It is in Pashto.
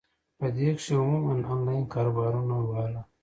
پۀ دې کښې عموماً انلائن کاروبارونو واله ،